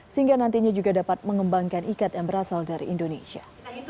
sehingga nantinya juga dapat mengembangkan ikat yang berasal dari indonesia